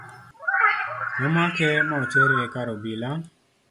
nomake ma otere kar obila